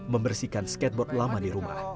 membersihkan skateboard lama di rumah